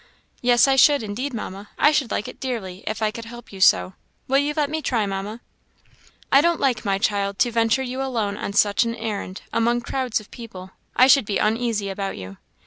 "Yes, I should; indeed, Mamma, I should like it dearly, if I could help you so. Will you let me try, Mamma?" "I don't like, my child, to venture you alone on such an errand, among crowds of people; I should be uneasy about you."